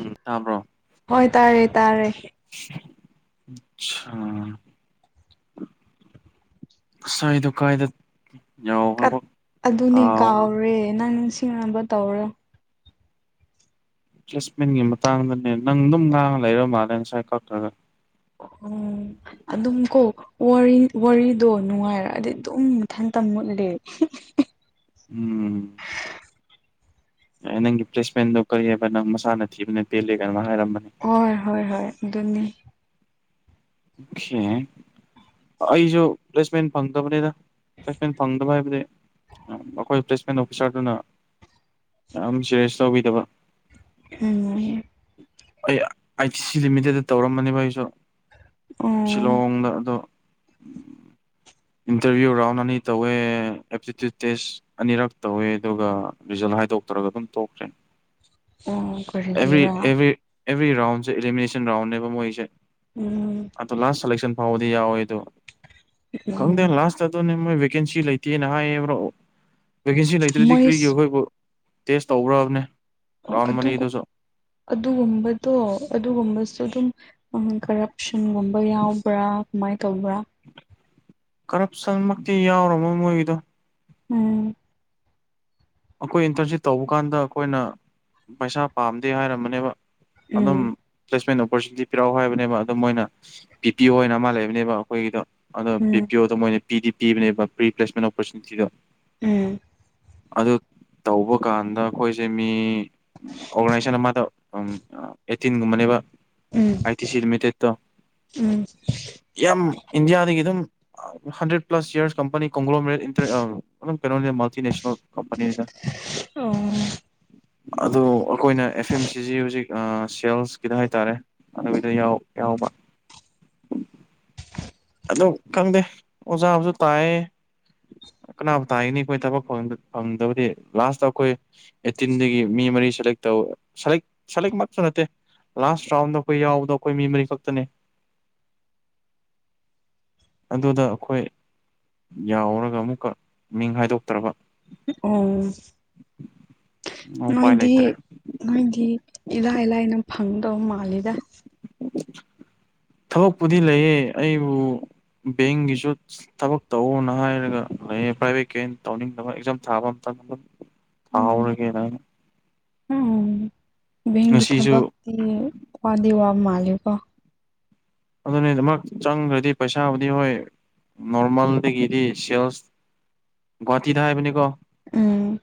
ꯎꯝ ꯇꯥꯕ꯭ꯔꯣ ꯍꯣꯏ ꯇꯥꯔꯦ ꯇꯥꯔꯦ [unintelligible] ꯁꯥꯏꯗꯨ ꯎ ꯀꯥꯏꯗꯠ ꯀꯠ ꯑꯗꯨꯅꯦ ꯀꯥꯎꯔꯦ ꯅꯪ ꯅꯤꯡꯁꯤꯡꯅꯕ ꯇꯧꯔꯣ ꯄꯦꯁꯃꯦꯟꯒꯤ ꯃꯇꯥꯡꯗꯅꯦ ꯅꯪ ꯑꯗꯨꯝ ꯉꯥꯡꯉ ꯂꯩꯔ ꯃꯥꯜꯂꯦ ꯉꯁꯥꯏ ꯀꯧꯇ꯭ꯔꯒ [unintelligible] ꯑꯗꯨꯝ ꯀꯣ ꯋꯥꯔꯤꯗꯣ ꯅꯨꯡꯉꯥꯏꯔꯑꯗꯤ ꯑꯗꯨꯝ ꯏꯊꯟꯇ ꯃꯨꯠꯂꯦ ꯎꯝ ꯑꯦ ꯅꯪꯒꯤ ꯄ꯭ꯂꯦꯁꯃꯦꯟꯗꯣ ꯀꯔꯤꯑꯕ ꯅꯪ ꯃꯁꯥꯅ ꯊꯤꯕꯅ ꯄꯦꯜꯂꯦ ꯀꯅꯣ ꯍꯥꯏꯔꯝꯕꯅꯦ ꯍꯣꯏ ꯍꯣꯏ ꯍꯣꯏ ꯑꯗꯨꯅꯤ [unintelligible] ꯑꯩꯁꯨ ꯄ꯭ꯂꯦꯁꯃꯦꯟ ꯐꯪꯗꯕꯅꯤꯅ ꯄ꯭ꯂꯦꯁꯃꯦꯟ ꯐꯪꯗꯕ ꯍꯥꯏꯕꯗꯤ ꯑꯩꯈꯣꯏ ꯄ꯭ꯂꯦꯁꯃꯦꯟ ꯑꯣꯐꯤꯁꯥꯔꯗꯨꯅ ꯌꯥꯝ ꯁꯦꯔꯤꯌꯁ ꯇꯧꯕꯤꯗꯕ [inaudible] ꯑꯩ ꯑꯥꯏ ꯇꯤ ꯁꯤ ꯂꯤꯃꯤꯇꯦꯠꯇ ꯇꯧꯔꯝꯕꯅꯦꯕ ꯑꯩꯁꯨ ꯑꯣ ꯁꯤꯂꯣꯡꯗ ꯑꯗꯣ ꯏꯟꯇꯔꯚꯤꯌꯨ ꯔꯥꯎꯟ ꯑꯅꯤ ꯇꯧꯋꯦ ꯑꯦꯞꯇꯤꯇ꯭ꯌꯨꯠ ꯇꯦꯁ ꯑꯅꯤꯔꯛ ꯇꯧꯋꯦ ꯑꯗꯨꯒ ꯔꯤꯖꯜ ꯍꯥꯏꯗꯣꯛꯇꯔꯒ ꯑꯗꯨꯝ ꯇꯈ꯭ꯔꯦ ꯎꯝ ꯑꯦꯕ꯭ꯔꯤ ꯑꯦꯕ꯭ꯔꯤ ꯑꯦꯕ꯭ꯔꯤ ꯔꯥꯎꯟꯁꯦ ꯏꯂꯤꯃꯤꯅꯦꯁꯟ ꯔꯥꯎꯟꯅꯦꯕ ꯃꯣꯏꯁꯦ ꯎꯝ ꯑꯗꯣ ꯂꯥꯁ ꯁꯦꯂꯦꯛꯁꯟ ꯐꯥꯎꯕꯗꯤ ꯌꯥꯎꯋꯦ ꯑꯗꯣ ꯈꯪꯗꯦ ꯎꯝ ꯂꯥꯁꯇ ꯅꯦ ꯃꯣꯏ ꯚꯦꯀꯦꯟꯁꯤ ꯂꯩꯇꯦꯅ ꯍꯥꯏꯌꯦꯕ꯭ꯔꯣ ꯚꯦꯀꯦꯟꯁꯤ ꯂꯩꯇ꯭ꯔꯗꯤ ꯀꯔꯤꯒꯤ ꯃꯣꯏꯁ ꯑꯩꯈꯣꯏꯕꯨ ꯇꯦꯁ ꯇꯧꯈ꯭ꯔꯕꯅꯦ ꯑꯣ ꯑꯗꯨꯒꯨꯝꯕꯗꯣ ꯑꯗꯨꯒꯨꯝꯕꯁꯨ ꯑꯗꯨꯝ ꯀꯔꯞꯁꯟꯒꯨꯝꯕ ꯌꯥꯎꯕ꯭ꯔꯥ ꯀꯃꯥꯏꯅ ꯇꯧꯕ꯭ꯔꯥ ꯀꯔꯞꯁꯟꯃꯛꯇꯤ ꯌꯥꯎꯔꯃꯣꯏ ꯃꯣꯏꯒꯤꯗꯣ ꯎꯝ ꯑꯩꯈꯣꯏ ꯏꯟꯇꯔꯟꯁꯤꯞ ꯇꯧꯕ ꯀꯥꯟꯗ ꯑꯩꯈꯣꯏꯅ ꯄꯩꯁꯥ ꯄꯥꯝꯗꯦ ꯍꯥꯏꯔꯝꯕꯅꯦꯕ ꯎꯝ ꯑꯗꯨꯝ ꯄ꯭ꯂꯦꯁꯃꯦꯟ ꯑꯣꯄꯣꯔꯆꯨꯅꯤꯇꯤ ꯄꯤꯔꯛꯎ ꯍꯥꯏꯕꯅꯦꯕ ꯑꯗꯨꯝ ꯃꯣꯏꯅ ꯕꯤ ꯄꯤ ꯑꯣꯅ ꯑꯃ ꯂꯩꯕꯅꯦꯕ ꯑꯩꯈꯣꯏꯒꯤꯗꯣ ꯑꯗꯣ ꯕꯤ ꯎꯝ ꯄꯤ ꯑꯣꯗ ꯃꯣꯏꯅ ꯄꯤꯗꯤ ꯄꯤꯕꯅꯦꯕ ꯄ꯭ꯔꯤꯄ꯭ꯂꯦꯁꯃꯦꯟ ꯑꯣꯄꯣꯔꯆꯨꯅꯤꯇꯤꯗꯣ ꯎꯝ ꯑꯗꯨ ꯇꯧꯕ ꯀꯥꯟꯗ ꯑꯩꯈꯣꯏꯁꯦ ꯃꯤ ꯑꯣꯔꯒꯅꯥꯏꯖꯦꯁꯟ ꯑꯃꯗ ꯑꯩꯠꯇꯤꯟꯒꯨꯝꯕꯅꯦꯕ ꯎꯝ ꯑꯥꯏ ꯇꯤ ꯁꯤ ꯂꯤꯃꯤꯇꯦꯠ ꯣ ꯎꯝ ꯌꯥꯝ ꯏꯟꯗꯤꯌꯥꯗꯒꯤ ꯑꯗꯨꯝ ꯍꯟꯗ꯭ꯔꯦꯠ ꯄ꯭ꯂꯁ ꯌꯌꯥꯔꯁ ꯀꯝꯄꯅꯤ ꯩꯅꯣ ꯃꯜꯇꯤꯅꯦꯁ ꯀꯅꯤ ꯑꯣ ꯑꯗꯣ ꯑꯩꯈꯣꯏꯅ ꯑꯦꯐ ꯑꯦꯝ ꯁꯤꯁꯤ ꯍꯧꯖꯤꯛ ꯁꯦꯜꯁꯀꯤꯗ ꯍꯥꯏꯇꯥꯔꯦ ꯑꯗꯨꯗ ꯌꯥꯎ ꯌꯥꯎꯕ ꯑꯗꯨ ꯈꯪꯗꯦ ꯑꯣꯖꯥꯕꯨꯁꯨ ꯇꯥꯏꯌꯦ ꯀꯅꯥꯕꯨ ꯇꯥꯅꯤ ꯑꯩꯈꯣꯏ ꯊꯕꯛ ꯐꯪꯗꯕꯗꯤ ꯂꯥꯁꯇ ꯑꯩꯈꯣꯏ ꯑꯦꯠꯇꯤꯟꯗꯒꯤ ꯃꯤ ꯃꯔꯤ ꯁꯦꯂꯦꯛ ꯇꯧ ꯁꯦꯂꯦꯛꯃꯛꯁꯨ ꯅꯠꯇꯦ ꯂꯥꯁ ꯔꯥꯎꯟꯗ ꯑꯩꯈꯣꯏ ꯌꯥꯎꯕꯗꯣ ꯑꯩꯈꯣꯏ ꯃꯤ ꯃꯔꯤ ꯈꯛꯇꯅꯦ ꯑꯗꯨꯗ ꯑꯩꯈꯣꯏ ꯌꯥꯎꯔꯒ ꯑꯃꯨꯛꯀ ꯃꯤꯡ ꯍꯥꯏꯗꯣꯛꯇ꯭ꯔꯕ ꯑꯣ ꯎꯄꯥꯏ ꯅꯣꯏꯗꯤ ꯂꯩꯇ꯭ꯔꯦ ꯅꯪꯒꯤ ꯏꯔꯥꯏ ꯂꯥꯏꯅ ꯐꯪꯗꯕ ꯃꯥꯜꯂꯤꯗ [inaudible] ꯊꯕꯛꯄꯨꯗꯤ ꯂꯩꯌꯦ ꯑꯩꯕꯨ ꯕꯦꯡꯒꯤꯁꯨ ꯊꯕꯛ ꯇꯧꯅ ꯍꯥꯏꯔꯒ ꯄ꯭ꯔꯥꯏꯚꯦꯠꯀꯤ ꯑꯣꯏꯅ ꯇꯧꯅꯤꯡꯗꯕ ꯑꯦꯛꯖꯥꯝ ꯊꯥꯕ ꯑꯃꯇ ꯎꯝ ꯍꯧꯔꯒꯦꯅ ꯎꯝ ꯕꯦꯡꯒꯤ ꯉꯁꯤꯁꯨ ꯊꯕꯛꯇꯤ ꯋꯥꯗꯤ ꯋꯥ ꯃꯥꯜꯂꯦꯀꯣ ꯑꯗꯨꯅꯤ ꯑꯗꯨꯃꯛ ꯆꯪꯈ꯭ꯔꯗꯤ ꯄꯩꯁꯥꯕꯨꯗꯤ ꯍꯣꯏ ꯅꯣꯔꯃꯦꯜꯗꯒꯤꯗꯤ ꯁꯦꯜꯁ ꯒꯨꯍꯇꯤꯗ ꯍꯥꯏꯕꯅꯦꯅꯤꯀꯣ ꯎꯝ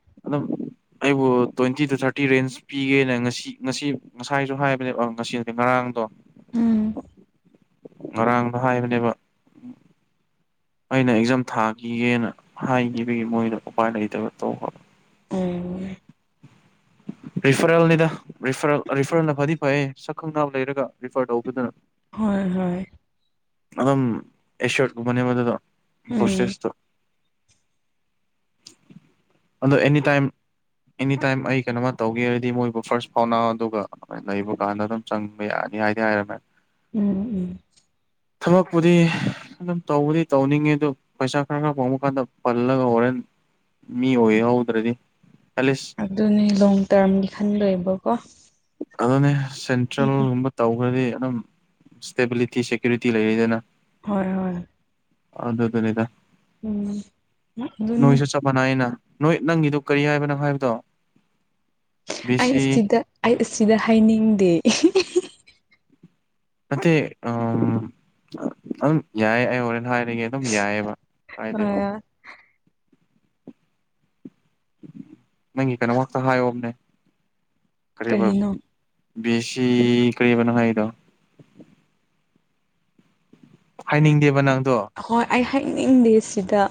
ꯑꯩꯕꯨ ꯇ꯭ꯋꯦꯟꯇꯤ ꯇꯨ ꯊꯥꯔꯇꯤ ꯔꯦꯟꯖ ꯄꯤꯒꯦꯅ ꯉꯁꯤ ꯉꯁꯤ ꯉꯁꯥꯏꯁꯨ ꯍꯥꯏꯕꯅꯦꯕ ꯉꯁꯤꯗꯤ ꯉꯔꯥꯡꯗꯣ ꯎꯝ ꯉꯔꯥꯡꯗ ꯍꯥꯏꯕꯅꯦꯕ ꯑꯩꯅ ꯑꯦꯛꯖꯥꯝ ꯊꯥꯈꯤꯒꯦꯅ ꯍꯥꯏꯈꯤꯕꯒꯤ ꯃꯣꯏꯗ ꯎꯄꯥꯏ ꯂꯩꯇꯕ ꯇꯧꯈ꯭ꯔ ꯑꯣ ꯔꯤꯐꯔꯦꯜꯅꯤꯗꯔꯤꯐꯔꯦꯜꯅ ꯐꯗꯤ ꯐꯩꯌꯦ ꯁꯛ ꯈꯪ ꯂꯩꯔꯒ ꯔꯤꯐꯔ ꯇꯧꯕꯤꯗꯨꯅ ꯍꯣꯏ ꯍꯣꯏ ꯑꯗꯨꯝ ꯑꯦꯁꯠꯀ ꯃ ꯃꯗꯨꯗ ꯎꯝ ꯄ꯭ꯔꯣꯁꯦꯁ ꯇ [unintelligible] ꯑꯗꯣ ꯑꯦꯅꯤ ꯇꯥꯏꯝ ꯑꯦꯅꯤꯇꯥꯏꯝ ꯑꯩ ꯀꯩꯅꯣꯝꯃ ꯇꯧꯒꯦ ꯍꯥꯏꯔꯗꯤ ꯃꯣꯏꯕꯨ ꯐꯥꯔꯁ ꯐꯥꯎꯅꯥ ꯑꯗꯨꯒ ꯂꯩꯕ ꯀꯥꯟꯗ ꯑꯗꯨꯝ ꯆꯪꯕ ꯌꯥꯅꯤ ꯍꯥꯏꯗꯤ ꯍꯥꯏꯔꯝꯃꯦ ꯎꯝ ꯎꯝ ꯊꯕꯛꯄꯨꯗꯤ ꯑꯗꯨꯝ ꯇꯧꯕꯗꯤ ꯇꯧꯅꯤꯡꯉꯦ ꯑꯗꯨ ꯄꯩꯁꯥ ꯈꯔ ꯈꯔ ꯐꯪꯕ ꯀꯥꯟꯗ ꯄꯜꯂꯒ ꯍꯣꯔꯦꯟ ꯃꯤ ꯑꯣꯏꯌꯦꯍꯧꯗ꯭ꯔꯗꯤ ꯑꯦꯂꯁ ꯑꯗꯨꯅꯦ ꯂꯣꯡ ꯇꯔꯝꯒꯤ ꯈꯟꯗꯣꯏꯕꯀꯣ ꯑꯗꯨꯅꯦ ꯎꯝ ꯁꯦꯟꯇ꯭ꯔꯦꯜꯒꯨꯝꯕ ꯇꯧꯈ꯭ꯔꯗꯤ ꯑꯗꯨꯝ ꯏꯁꯇꯦꯕꯤꯂꯤꯇꯤ ꯁꯦꯀ꯭ꯌꯨꯔꯤꯇꯤ ꯂꯩꯔꯤꯗꯅ ꯍꯣꯏ ꯍꯣꯏ ꯑ ꯑꯗꯨ ꯑꯗꯨ ꯂꯩꯗ ꯎꯝ ꯑꯗꯨꯝ ꯃꯅꯥꯏꯅ ꯅꯣꯏ ꯅꯪꯒꯤꯗꯨ ꯀꯔꯤ ꯍꯥꯏꯕ ꯅꯪ ꯍꯥꯏꯕꯗꯣ ꯕꯤ ꯑꯩ ꯁꯤ ꯑꯁꯤꯗ ꯑꯩ ꯑꯁꯤꯗ ꯍꯥꯏꯅꯤꯡꯗꯦ ꯅꯠꯇꯦ ꯎ ꯑꯗꯨꯝ ꯌꯥꯏ ꯑꯩ ꯍꯣꯔꯦꯅ ꯍꯥꯏꯔꯤꯉꯦ ꯑꯗꯨꯝ ꯌꯥꯏꯑꯕ ꯍꯥꯏꯗꯦꯕ ꯈ꯭ꯔ ꯅꯪꯒꯤ ꯀꯩꯅꯣ ꯉꯥꯛꯇ ꯍꯥꯏꯌꯣꯝꯅꯦ ꯀꯔꯤꯔꯤꯕ ꯀꯔꯤꯅꯣ ꯕꯤ ꯁꯤ ꯀꯔꯤꯕꯅꯣ ꯍꯥꯏꯗꯣ ꯍꯥꯏꯅꯤꯡꯗꯦꯕ ꯅꯪꯗꯣ ꯍꯣꯏ ꯑꯩ ꯍꯥꯏꯅꯤꯡꯗꯦ ꯁꯤꯗ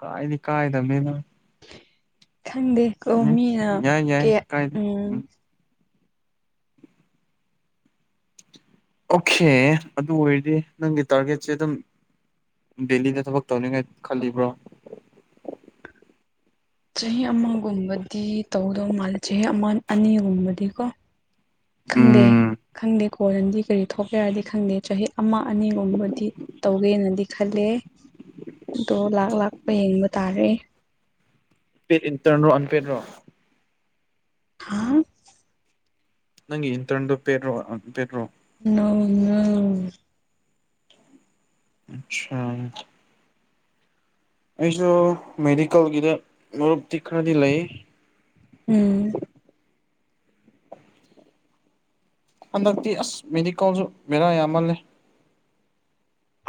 ꯀꯥꯏꯅꯤ ꯀꯥꯏꯗ ꯃꯅ ꯈꯪꯗꯦ ꯀꯣ ꯃꯤꯅ ꯌꯥꯏ ꯌꯥꯏ ꯀꯦ ꯀꯥꯏꯗꯦ ꯎꯝ ꯑꯣꯀꯦ ꯑꯗꯨ ꯑꯣꯏꯔꯗꯤ ꯅꯪꯒꯤ ꯇꯥꯔꯒꯦꯠꯁꯦ ꯑꯗꯨꯝ ꯗꯦꯜꯂꯤꯗ ꯊꯕꯛ ꯇꯧꯅꯤꯡꯉꯥꯏ ꯈꯜꯂꯤꯕ꯭ꯔꯣ ꯆꯍꯤ ꯑꯃꯒꯨꯝꯕꯗꯤ ꯇꯧꯗꯧ ꯃꯥꯜꯂꯦ ꯆꯍꯤ ꯑꯃ ꯑꯅꯤꯒꯨꯝꯕꯗꯤꯀꯣ ꯈꯪꯗꯦ ꯎꯝ ꯈꯪꯗꯦ ꯀꯣꯟꯂꯗꯤ ꯀꯔꯤ ꯊꯣꯛꯀꯦ ꯌꯥꯔꯗꯤ ꯈꯪꯗꯦ ꯆꯍꯤ ꯑꯃ ꯑꯅꯤꯒꯨꯝꯕꯗꯤ ꯇꯧꯒꯦꯅꯗꯤ ꯈꯜꯂꯦ ꯑꯗꯣ ꯂꯥꯛ ꯂꯥꯛꯄ ꯌꯦꯡꯕ ꯇꯥꯔꯦ ꯏꯟꯇꯔꯣ ꯑꯟꯄꯦꯗ ꯔꯣ ꯍꯥ ꯅꯪꯒꯤ ꯏꯟꯇꯔꯟꯗꯣ ꯄꯦ꯭ꯔꯣ ꯄꯦꯗ꯭ꯔꯣ ꯅꯎ ꯑꯆꯥ ꯑꯩꯁꯨ ꯃꯦꯗꯤꯀꯦꯜꯒꯤꯗ ꯃꯔꯨꯞꯇꯤ ꯈꯔꯗꯤ ꯂꯩ ꯎꯝ ꯍꯟꯗꯛꯇꯤ ꯑꯁ ꯃꯦꯗꯤꯀꯣꯜꯁꯨ ꯦꯔꯥ ꯌꯥꯝꯃꯜꯂꯦ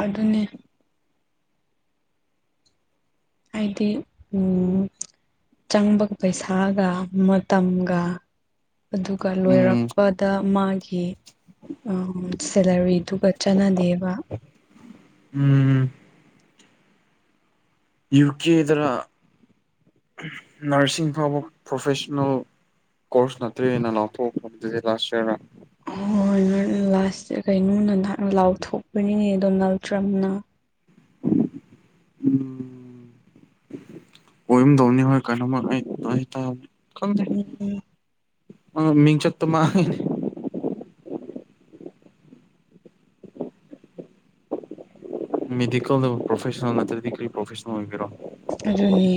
ꯑꯗꯨꯅꯦ ꯍꯥꯏꯗꯤ ꯆꯪꯕꯒ ꯄꯩꯁꯥꯒ ꯃꯇꯝꯒ ꯑꯗꯨꯒ ꯎꯝ ꯂꯣꯏꯔꯛꯄꯗ ꯃꯥꯒꯤ ꯁꯦꯂꯔꯤꯗꯨꯒ ꯆꯥꯟꯅꯗꯦꯕ ꯎꯝ ꯌꯨ ꯀꯦꯗ ꯅꯔꯁꯤꯡ ꯐꯥꯎꯕ ꯄ꯭ꯔꯣꯐꯦꯁꯅꯦꯜ ꯀꯣꯔꯁ ꯅꯠꯇ꯭ꯔꯤꯅ ꯂꯥꯎꯊꯣꯛꯄꯗꯨꯗꯤ ꯂꯥꯁ ꯌꯌꯥꯔꯗ ꯍ ꯍꯣꯏ ꯅ ꯂꯥꯁꯁꯦ ꯀꯩꯅꯣꯅ ꯅꯍꯥꯛꯅ ꯂꯥꯎꯊꯣꯛꯄꯅꯤꯅꯦ ꯗꯣꯅꯥꯜ ꯇ꯭ꯔꯝꯅ ꯎꯝ ꯑꯣꯏꯔꯨꯝꯗꯧꯅꯤ ꯍꯣꯏ ꯀꯩꯅꯣꯝꯃ ꯑꯩ ꯎꯝ ꯎꯝ ꯑ ꯃꯤꯡ ꯆꯠꯇ ꯃꯥ ꯃꯦꯗꯤꯀꯦꯜꯗ ꯄ꯭ꯔꯣꯐꯦꯁꯅꯦꯜ ꯅꯠꯇ꯭ꯔꯗꯤ ꯀ꯭ꯔꯤ ꯄ꯭ꯔꯣꯐꯦꯁꯅꯦꯜ ꯑꯣꯏꯕꯤꯔꯣ ꯑꯗꯨꯅꯤ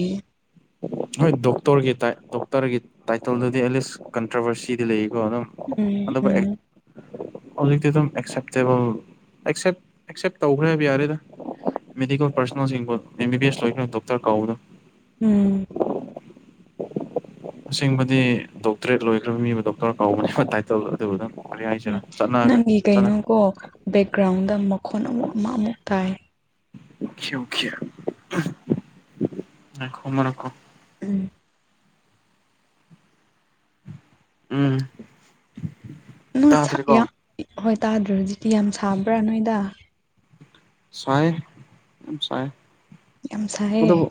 ꯍꯣꯏ ꯗꯣꯛꯇꯔꯒꯤ ꯗꯣꯛꯇꯔꯒꯤ ꯇꯥꯏꯇꯜꯗꯨꯗꯤ ꯑꯦꯠꯂꯤꯁ ꯀꯟꯇ꯭ꯔꯥꯚꯔꯁꯤꯗꯤ ꯂꯩꯀꯣ ꯑꯗꯨꯝ ꯎꯝ ꯑꯗꯨ ꯎꯝ ꯍꯧꯖꯤꯛꯇꯤ ꯑꯗꯨꯝ ꯑꯦꯛꯁꯦꯞꯇꯦꯕꯜ ꯑꯦꯛꯁꯦ ꯇꯧꯈ꯭ꯔꯦ ꯍꯥꯏꯕ ꯌꯥꯔꯦꯗ ꯃꯦꯗꯤꯀꯦꯜ ꯄꯥꯔꯁꯣꯅꯦꯜꯁꯤꯡꯕꯨ ꯑꯦꯝ ꯕꯤ ꯕꯤ ꯑꯦꯁ ꯂꯈ꯭ꯔꯥ ꯗꯣꯛꯇꯔ ꯀꯧꯕꯗꫭ꯫ ꯎꯝ꯫ ꯑꯁꯦꯡꯕꯗꯤ ꯗꯣꯛꯇꯔꯦꯠ ꯂꯣꯏꯈ꯭ꯔꯕ ꯃꯤꯕꯨ ꯗꯣꯛꯇꯔ ꯀꯥꯎꯕꯅꯤ ꯇꯥꯏꯇꯜ ꯑꯗꯨꯕꯨꯅ꯫ ꯎꯝ ꯅꯪꯒꯤ ꯀꯩꯅꯣꯒꯣ ꯕꯦꯛꯒ꯭ꯔꯥꯎꯟꯗ ꯃꯈꯣꯟ ꯑꯃꯨꯛ ꯑꯃ ꯑꯃꯨꯛ ꯇꯥꯏ꯫ [unintelligible] ꯎꯝ꯫ ꯎꯝ꯫ ꯅꫭ ꯁꯥ ꯇꯥꯗ꯭ꯔꯦꯀꯣ ꯌꯥ ꯍꯣꯏ ꯇꯥꯗ꯭ꯔꯦ ꯍꯧꯖꯤꯛꯇꯤ ꯌꯥꯝ ꯁꯥꯕ꯭ꯔꯥ ꯅꯣꯏꯗ꯫ ꯁꯥꯏ ꯌꯥꯝ ꯁꯥꯏ ꯌꯥꯝ ꯁꯥꯏꯌꯦ ꯑꯗꯨꯕꯨ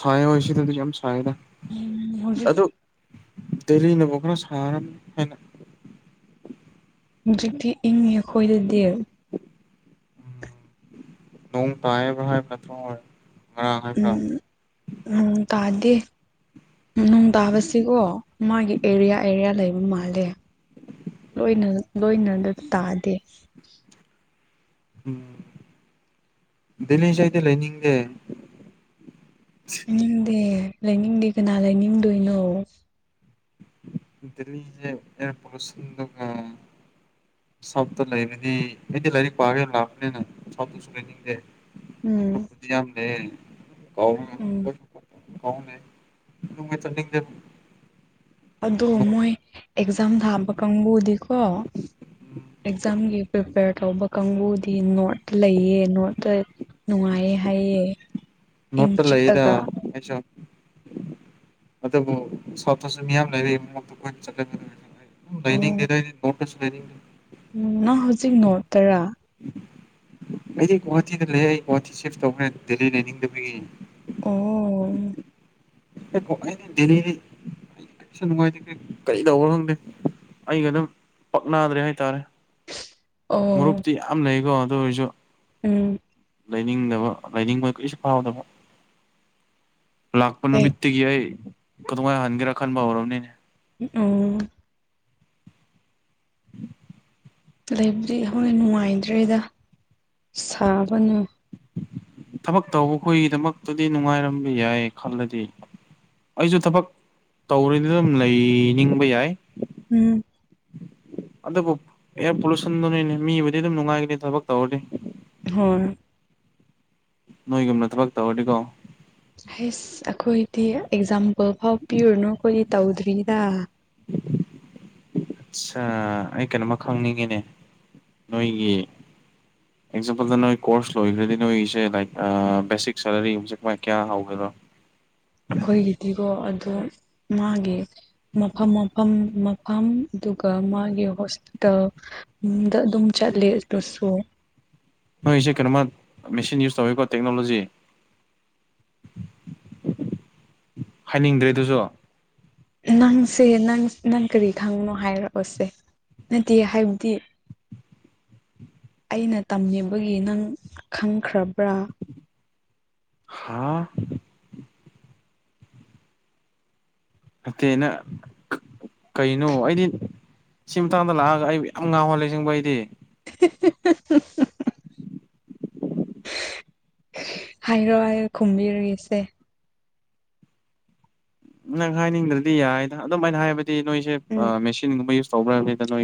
ꯁꯥꯏ ꯍꯣꯏ ꯁꯤꯗꯗꯤ ꯌꯥꯝ ꯁꯥꯏꯗ ꯎꯝ ꯍꯧꯖꯤꯛ ꯑꯗꯨ ꯗꯦꯂꯤꯅꯕꯨ ꯈꯔ ꯁꯥꯔ ꯍꯧꯖꯤꯛꯇꯤ ꯏꯪꯉꯦ ꯑꯈꯣꯏꯗꯗꯤ꯫ ꯅꯣꯡ ꯇꯥꯏꯕ꯭ꯔꯥ ꯍꯥꯏꯕ꯭ꯔꯥ ꯅꯠꯇ꯭ꯔꫭ ꯉꯔꯥꯡ ꯍꯥꯏꯕ꯭ꯔꯥ꯫ ꯎꯝ ꯇꯥꯗꯦ꯫ ꯎꯝ ꯅꯨꯡ ꯇꯥꯕꯁꯤꯀꯣ ꯃꯥꯒꯤ ꯑꯦꯔꯤꯌꯥ ꯑꯦꯔꯤꯌꯥ ꯂꯩꯕ ꯃꯥꯜꯂꯦ꯫ ꯂꯣꯏꯅ ꯂꫭꯏꯅꯗ ꯇꯥꯗꯦ꯫ ꯗꯦꯂꯤꯁꯦ ꯑꯩꯗꯤ ꯂꯩꯅꯤꯡꯗꯦ꯫ ꯂꯩꯅꯤꯡꯗꯦ ꯂꯩꯅꯤꯡꯗꯦ ꯀꯅꯥ ꯂꯩꯅꯤꯡꯗꯣꯏꯅꯣ꯫ [inaudible] ꯁꯥꯎꯠꯇ ꯂꯩꯕꯗꯤ ꯑꯩꯗꯤ ꯂꯥꯏꯔꯤꯛ ꯄꯥꯔꯒ ꯂꯥꯛꯄꯅꯤꯅ ꯁꯥꯎꯠꯇꯁꯨ ꯂꯩꯅꯤꯡꯗꯦ꯫ ꯎꯝ꯫ [inaudible] ꯎꯝ꯫ [inaudible] ꯑꯗꯣ ꯅꯣꯔꯠ ꯃꯣꯏ ꯑꯦꯛꯖꯥꯝ ꯊꯥꯕ ꯀꯥꯡꯕꯨꯗꯤꯀꯣ ꯑꯦꯛꯖꯥꯝꯒꯤ ꯄ꯭ꯔꯤꯄꯦꯌꯔ ꯇꯧꯕ ꯀꯥꯡꯕꯨꯗꯤ ꯅꯣꯔꯠꯇ ꯂꯩꯌꯦ ꯅꯣꯔꯠꯇ ꯅꯨꯡꯉꯥꯏꯌꯦ ꯍꯥꯏꯌꯦ ꯏꯪ ꯅꯣꯔꯠꯇ ꯂꯩꯌꯦꯗ ꯆꯤꯛꯑꯒ꯫ ꯑꯩꯁꯨ ꯑꯗꯨꯕꯨ ꯁꯥꯎꯠꯇꯁꯨ ꯃꯤꯌꯥꯝ ꯂꯩꯔꯤ꯫ [inaudible] ꯂꯩꯅꯤꯡꯗꯦꯗ ꯑꯩꯗꯤ ꯃꯣꯔꯠꯇꯁꯨ ꯂꯩꯅꯤꯡꯗꯦ꯫ ꯎꯝ ꯅꯪ ꯍꯧꯖꯤꯛ ꯅꯣꯔꯠꯇꯔꯥ꯫ ꯑꯩꯗꯤ ꯒꯨꯍꯥꯇꯤꯗ ꯂꯩꯌꯦ ꯑꯩ ꯒꯨꯍꯥꯇꯤ ꯁꯤꯐ ꯇꯧꯈ꯭ꯔꯦ ꯗꯦꯜꯂꯤ ꯂꯩꯅꯤꯡꯗꯕꯒꯤ꯫ ꯑꯣ꯫ [inaudible] ꯑꯩꯒ ꯑꯗꯨꯝ ꯄꯥꯛꯅꯗ꯭ꯔꯦ ꯍꯥꯏꯇꯥꯔꯦ꯫ ꯑꯣ ꯃꯔꯨꯞꯇꯤ ꯌꯥꯝ ꯂꯩꯀꯣ ꯑꯗꯨ ꯑꯣꯏꯔꯁꯨ꯫ ꯎꯝ꯫ ꯂꯩꯅꯤꯡꯗꯕ ꯂꯩꯅꯤꯡꯕ ꯀꯔꯤꯁꯨ ꯐꯥꯎꯗꯕ꯫ ꯂꯥꯛꯄ ꯑꯩ ꯅꯨꯃꯤꯠꯇꯒꯤ ꯑꯩ ꯀꯗꯨꯉꯥꯏꯅ ꯍꯟꯒꯦꯔꯥ ꯈꯟꯕ ꯍꯧꯔꯕꯅꯤꯅꯦ꯫ ꯎꯝ ꯑꫭ꯫ ꯂꯩꯕꯗꯤ ꯍꫭꯏ ꯅꯨꯡꯉꯥꯏꯇ꯭ꯔꯦꯗ ꯁꯥꯕꯅ꯫ ꯊꯕꯛ ꯇꯧꯕ ꯈꯣꯏꯒꯤꯗꯃꯛꯇꯗꯤ ꯅꯨꯡꯉꯥꯏꯔꯝꯕ ꯌꯥꯏ ꯈꯜꯂꯗꯤ꯫ ꯑꯩꯁꯨ ꯊꯕꯛ ꯇꯧꯔꯤꯗ ꯑꯗꯨꯝ ꯂꯩꯅꯤꯡꯕ ꯌꯥꯏ꯫ ꯎꯝ꯫ ꯑꯗꯨꯕꯨ ꯑꯦꯌꯥꯔ ꯄꯣꯂꯨꯁꯟꯗꯨꯅꯤꯅꯦ ꯃꯤꯕꯨꯗꯤ ꯑꯗꯨꯝ ꯅꯨꯡꯉꯥꯏꯒꯅꯤ ꯊꯕꯛ ꯇꯧꯔꯗꯤ꯫ ꯍꯣꯏ꯫ ꯅꯣꯏꯒꯨꯝꯅ ꯊꯕꯛ ꯇꯧꯔꯗꯤꯀꯣ꯫ ꯍꯩꯁ ꯑꯩꯈꯣꯏꯗꯤ ꯑꯦꯛꯖꯥꯝꯄꯜ ꯐꯥꯎ ꯄꯤꯔꯨꯅꯨ ꯑꯩꯈꯣꯏꯒꯤ ꯇꯧꯗ꯭ꯔꯤꯗꯥ꯫ ꯆꯥ ꯑꯩ ꯀꯩꯅꯣꯝꯃ ꯈꯪꯅꯤꯡꯉꯤꯅꯦ ꯅꯣꯏꯒꯤ [inaudible] ꯑꯦꯛꯖꯥꯝꯄꯜꯗ ꯅꯣꯏ ꯀꯣꯔꯁ ꯂꯣꯏꯈ꯭ꯔꯗꯤ ꯅꯣꯏꯒꯤꯁꯦ ꯂꯥꯏꯛ ꯑꯥ ꯕꯦꯁꯤꯛ ꯁꯂꯔꯤ ꯒꯨꯝꯕꯁꯦ ꯀꯃꯥꯏ ꯀꯌꯥ ꯍꯧꯒꯦꯔꫭ꯫ ꯑꯩꯈꯣꯏꯒꯤꯗꯤꯀꯣ ꯑꯗꯣ ꯃꯥꯒꯤ ꯃꯐꯝ ꯃꯐꯝ ꯃꯐꯝ ꯑꯗꯨꯒ ꯃꯥꯒꯤ ꯍꯣꯁꯄꯤꯇꯥꯜ ꯗ ꯑꯗꯨꯝ ꯆꯠꯂꯦ ꯑꯗꯨꯁꯨ ꯃꯣꯏꯁꯦ ꯀꯩꯅꯣꯃ ꯃꯦꯁꯤꯤꯟ ꯌꯨꯁ ꯇꯧꯋꯤꯀꯣ ꯇꯦꯛꯅꯣꯂꯣꯖꯤ [inaudible] ꯍꯥꯏꯅꯤꯡꯗ꯭ꯔꯦ ꯑꯗꯨꯁꯨ ꯅꯪꯁꯦ ꯅꯪ ꯅꯪ ꯀꯔꯤ ꯈꯪꯅꯣ ꯍꯥꯏꯔꯛꯑꯣꯁꯦ ꯅꯠꯇꯦ ꯍꯥꯏꯕꯗꯤ ꯑꯩꯅ ꯇꯝꯅꯤꯡꯕꯒꯤ ꯅꯪ ꯈꯪꯈ꯭ꯔꯕ꯭ꯔꯥ ꯍꯥꯥ ꯇꯩꯩꯅ ꯀꯩꯅꯣ ꯑꯩꯗꯤ ꯁꯤ ꯃꯇꯥꯡꯗ ꯂꯥꯛꯑꯒ ꯑꯩ ꯌꯥꯝ ꯉꯥꯎꯍꯜꯂꯦꯁꯤꯡꯕ ꯑꯩꯗꯤ ꯍꯤ ꯍꯤ ꯍꯥꯏꯔꯥꯏ ꯈꯨꯝꯕꯤꯔꯁꯦ ꯅꯪ ꯍꯥꯏꯅꯤꯡꯗ꯭ꯔꯗꯤ ꯌꯥꯏꯗ ꯑꯗꯨꯝꯥꯏꯅ ꯍꯥꯏꯕꯗꯤ ꯅꯣꯏꯁꯦ ꯎꯝ ꯃꯦꯆꯤꯟꯒꯨꯝꯕ ꯌꯨꯁ ꯇꯧꯕ꯭ꯔ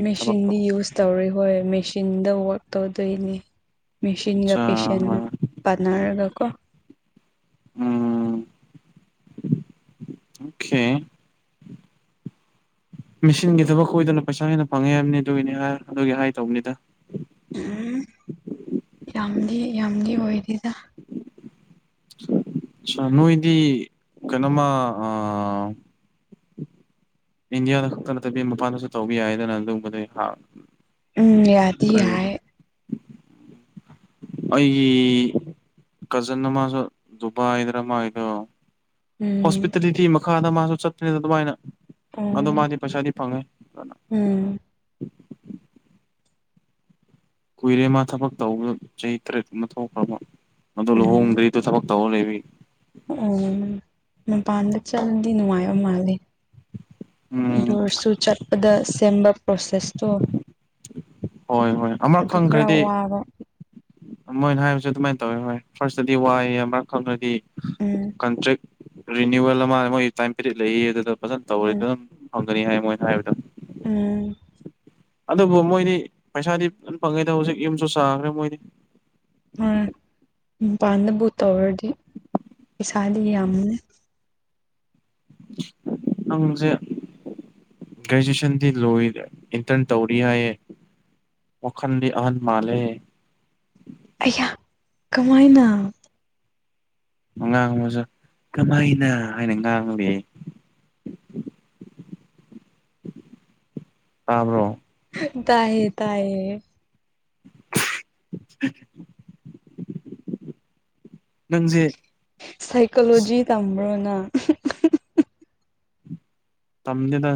ꯃꯦꯆꯤꯟꯗꯤ ꯌꯨꯁ ꯇꯧꯔ ꯍꯣꯏ ꯃꯦꯆꯤꯟꯗ ꯋꯛ ꯇꯧꯗꯣꯏꯅꯤ ꯃꯦꯆꯤꯟꯒ ꯑꯠꯆꯥ ꯄꯦꯁꯦꯟ ꯍꯣꯏ ꯄꯥꯟꯅꯔꯒ ꯀꯣ ꯎꯝ [inaudible] ꯑꯣꯀꯦ ꯃꯦꯁꯤꯤꯟꯒꯤ ꯊꯕꯛ ꯀꯣꯏꯗꯅ ꯄꯩꯁꯥ ꯍꯦꯟꯅ ꯐꯪꯉꯦ ꯍꯥꯏꯕꯅꯤ ꯑꯗꯨꯒꯤꯅꯤ ꯍꯥꯏ ꯑꯗꯨꯒꯤ ꯍꯥꯏ ꯇꯧꯕꯅꯤꯗ ꯎꯝ ꯌꯥꯝꯗꯤ ꯌꯥꯝꯗꯤ ꯑꯣꯏꯔꯤꯗ ꯑ ꯅꯣꯏꯗꯤ ꯀꯩꯅꯣꯃ ꯏꯟꯗꯤꯌꯥꯗ ꯈꯛꯇ ꯅꯠꯇꯕꯤ ꯃꯄꯥꯟꯗꯁꯨ ꯇꯧꯕ ꯌꯥꯏꯗꯅ ꯑꯗꯨꯒꯨꯝꯕꯗ ꯎꯝ ꯌꯥꯗꯤ ꯌꯥ ꯑꯩꯒꯤ ꯀꯖꯤꯟ ꯑꯃꯁꯁꯨ ꯗꯨꯕꯥꯏꯗ꯭ꯔ ꯃꯥꯥꯏꯗꯣ ꯎꯝ ꯍꯣꯁꯄꯤꯇꯥꯂꯤꯇꯤ ꯃꯈꯥꯗ ꯃꯥꯁꯨ ꯆꯠꯇ꯭ꯔꯤꯩꯗ ꯑꯗꯨꯃꯥꯏꯅ ꯑꯣ ꯑꯗꯣ ꯃꯥꯗꯤ ꯄꯩꯁꯥꯗꯤ ꯐꯪꯉꯦ ꯐꯖꯅ ꯎꯝ ꯀꯨꯏꯔꯦ ꯃꯥ ꯊꯕꯛ ꯇꯧꯕꯗ ꯆꯍꯤ ꯇꯔꯦꯠ ꯀꯨꯅ ꯊꯣꯛꯈ꯭ꯔꯕ ꯃ ꯂꯨꯍꯣꯡꯗ꯭ꯔꯤꯗꯣ ꯊꯕꯛ ꯇꯧꯅꯦꯕꯤ ꯑꯣ ꯑꯣ ꯃꯄꯥꯟꯗ ꯆꯠꯂꯗꯤ ꯅꯨꯡꯉꯥꯏꯕ ꯃꯥꯜꯂꯦ ꯎꯝ ꯣꯔꯁꯨ ꯆꯠꯄꯗ ꯁꯦꯝꯕ ꯄ꯭ꯔꯣꯁꯦꯁꯇꯣ ꯍꯣꯏ ꯍꯣꯏ ꯑꯃꯛ ꯑꯗꯨ ꯈꯔ ꯈꯪꯈ꯭ꯔꯗꯤ ꯋꯥꯕ ꯃꯣꯏꯅ ꯍꯥꯏꯕꯁꯦ ꯑꯗꯨꯃꯥꯏꯅ ꯇꯧꯋꯤ ꯍꯣꯏ ꯐꯥꯔꯁꯇꯗꯤ ꯋꯥꯏꯑꯦ ꯑꯃ ꯈꯪꯗ꯭ꯔꯗꯤ ꯎꯝ ꯀꯟꯇ꯭ꯔꯦꯛ ꯔꯤꯅꯤꯋꯦꯜ ꯑꯃ ꯃꯣꯏ ꯇꯥꯏꯝ ꯄꯤꯔꯤꯠ ꯂꯩꯌꯦ ꯑꯗꯨꯗ ꯐꯖꯅ ꯇꯧꯔꯤ ꯎꯝ ꯑꯗꯨꯝ ꯐꯪꯒꯅꯤ ꯍꯥꯏ ꯃꯣꯏꯅ ꯍꯥꯏꯕꯗꯣ ꯎꯝ ꯑꯗꯨꯕꯨ ꯃꯣꯏꯗꯤ ꯄꯩꯁꯥꯗꯤ ꯐꯪꯉꯦꯗ ꯍꯧꯖꯤꯛ ꯌꯨꯝꯁꯨ ꯆꯥꯈ꯭ꯔꯦ ꯃꯣꯏꯗꯤ ꯑ ꯃꯄꯥꯟꯗ ꯕꯨꯠ ꯇꯧꯔꯗꯤ ꯄꯩꯁꯥꯗꯤ ꯌꯥꯝꯃꯦ ꯑꯪꯖꯦ ꯒ꯭ꯔꯦꯖꯨꯦꯁꯟꯗꯤ ꯂꯣꯏꯦ ꯏꯟꯇꯔꯟ ꯇꯧꯔꯤ ꯍꯥꯏꯌꯦ ꯋꯥꯜꯗꯤ ꯑꯍꯟ ꯃꯥꯜꯂꯦ ꯑꯩꯍꯥꯛ ꯀꯃꯥꯏꯅ ꯉꯥꯡꯕꯁꯨ ꯀꯃꯥꯏꯅ ꯍꯥꯏꯅ ꯉꯥꯡꯂꯤ [inaudible] ꯇꯥꯕ꯭ꯔꯣ ꯇꯑꯦ ꯇꯥꯏꯦ [inaudible] ꯅꯪꯁꯦ ꯁꯥꯏꯀꯣꯂꯣꯖꯤ ꯇꯝꯕ꯭ꯔꯣꯅ ꯇꯝꯃꯦ ꯇ